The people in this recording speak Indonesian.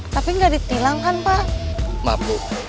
tapi gak ditilang kan pak